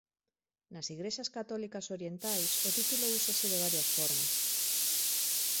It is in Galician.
Nas Igrexas católicas orientais o título úsase de varias formas.